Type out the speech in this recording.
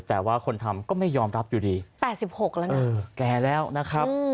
แต่ว่าคนทำก็ไม่ยอมรับอยู่ดี๘๖แล้วนะเออแก่แล้วนะครับ